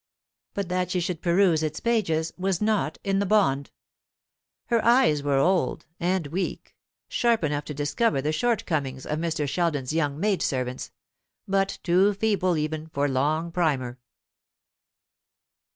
But that she should peruse its pages was not in the bond. Her eyes were old and weak sharp enough to discover the short comings of Mr. Sheldon's young maid servants, but too feeble even for long primer.